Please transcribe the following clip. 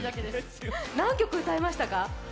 何曲歌えましたか？